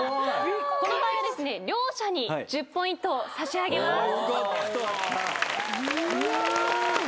この場合はですね両者に１０ポイント差し上げます。